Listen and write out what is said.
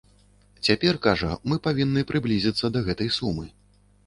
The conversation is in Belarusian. Цяпер кажа, мы павінны прыблізіцца да гэтай сумы.